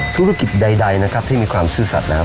ธุรกิจใดนะครับที่มีความซื่อสัตว์แล้ว